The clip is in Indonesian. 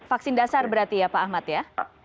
vaksin dasar berarti ya pak ahmad ya